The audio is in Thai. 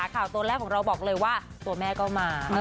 ข่าวตัวแรกของเราบอกเลยว่าตัวแม่ก็มา